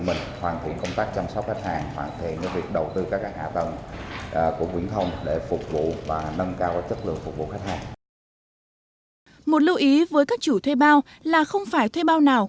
một lưu ý với các chủ thuê bao là không phải thuê bao nào